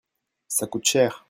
ça coûte cher.